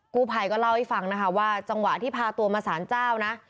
กู้ภัยก็เล่าให้ฟังนะคะว่าจังหวะที่พาตัวมาสารเจ้านะ